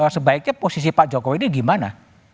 sebaiknya posisi pak jokowi ini gimana